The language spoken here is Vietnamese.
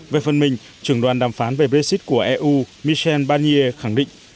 về phần mình trưởng đoàn đàm phán về brexit của eu michel barnier khẳng định